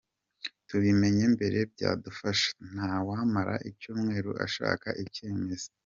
Tubimenye mbere byadufasha, ntawamara icyumweru ashaka icyemezo.